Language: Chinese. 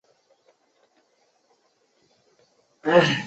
该快速通道在广汉处和成绵高速公路相连接。